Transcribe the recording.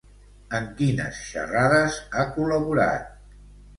En quines xerrades ha col·laborat?